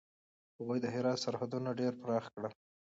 هغوی د هرات سرحدونه ډېر پراخه کړل.